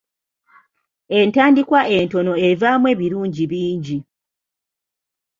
Entandikwa entono evaamu ebirungi bingi.